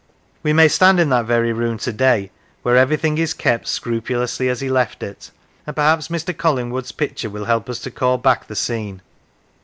We may stand in that very room to day, where every 150 The Lakes thing is kept scrupulously as he left it, and perhaps Mr. Collingwood's picture will help us to call back the scene.